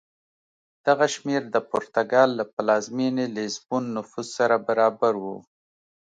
دغه شمېر د پرتګال له پلازمېنې لېزبون نفوس سره برابر و.